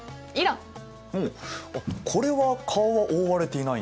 おおこれは顔は覆われていないんだ。